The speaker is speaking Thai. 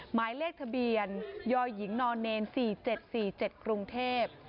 หมายเลขทะเบียนยหญิงน๔๗๔๗กรุงเทพฯ